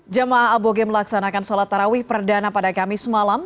jemaah aboge melaksanakan sholat tarawih perdana pada kamis malam